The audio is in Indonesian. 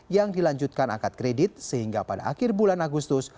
yang dilanjutkan angkat kredit sehingga pada akhir bulan agustus